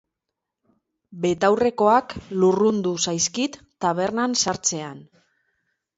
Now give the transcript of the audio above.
Betaurrekoak lurrundu zaizkit tabernan sartzean.